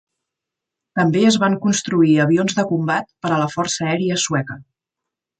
També es van construir avions de combat per a la força aèria sueca.